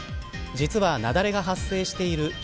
実は雪崩が発生している